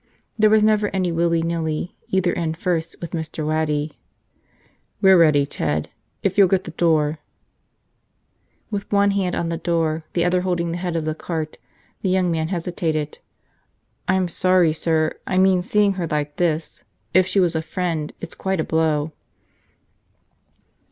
There was never any willy nilly either end first with Mr. Waddy. "We're ready, Ted. If you'll get the door ..." With one hand on the door, the other holding the head of the cart, the young man hesitated. "I'm sorry, sir. I mean, seeing her like this, if she was a friend, it's quite a blow."